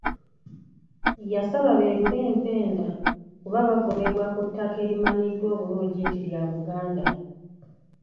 Yasaba beerule empenda kuba bagobebwa ku ttaka erimanyiddwa obulungi nti lya Buganda.